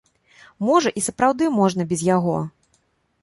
Можа, і сапраўды можна без яго?